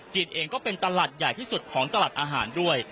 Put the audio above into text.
เองก็เป็นตลาดใหญ่ที่สุดของตลาดอาหารด้วย